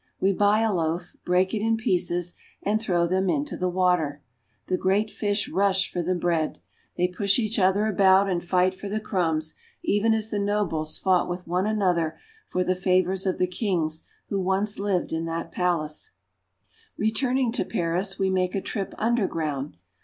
We buy a loaf, break it in pieces, and throw them into the water. The great fish rush for the bread. They push each other about and fight for the crumbs, even as the nobles fought with one another for the favors of the kings who once lived in that palace. "— admire their gorgeous furniture." Returning to Paris, we make a trip under ground.